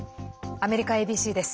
アメリカＡＢＣです。